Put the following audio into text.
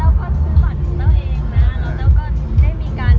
เราไม่รู้ว่ามันเรียกว่าอธิษฐีไหมแต่ว่าเราก็ซื้อบัตรของเราเองนะ